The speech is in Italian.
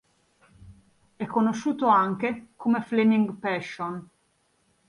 È conosciuto anche come "Flaming Passion".